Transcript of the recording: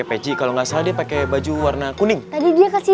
terus kalau nggak salah dia pakai baju warna kuning terakhir